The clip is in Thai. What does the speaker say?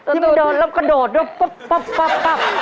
ที่มันกระโดดด้วยป๊อบป๊อบป๊อบ